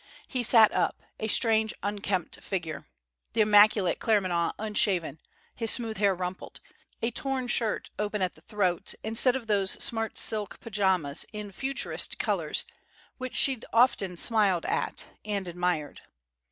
He sat up, a strange, unkempt figure: the immaculate Claremanagh unshaven, his smooth hair rumpled; a torn shirt open at the throat, instead of those smart silk pyjamas in "Futurist" colours which she'd often smiled at and admired!